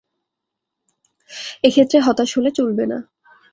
এ ক্ষেত্রে হতাশ হলে চলবে না।